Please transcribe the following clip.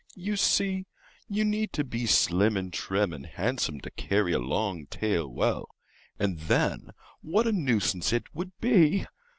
You see you need to be slim and trim and handsome to carry a long tail well. And then what a nuisance it would be!